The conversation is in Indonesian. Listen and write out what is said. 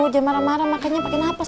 dia marah marah makanya pakai nafas